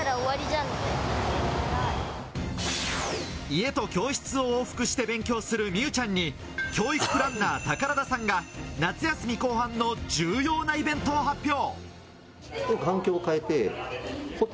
家と教室を往復して勉強する美羽ちゃんに、教育プランナー・宝田さんが夏休み後半の重要なイベントを発表。